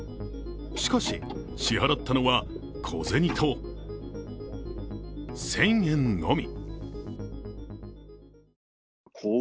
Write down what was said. しかし、支払ったのは小銭と１０００円のみ。